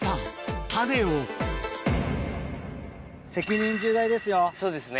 責任重大ですよ。